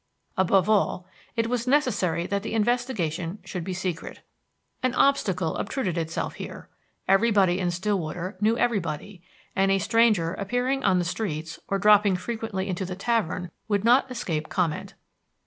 Above all, it was necessary that the investigation should be secret. An obstacle obtruded itself here: everybody in Stillwater knew everybody, and a stranger appearing on the streets or dropping frequently into the tavern would not escape comment.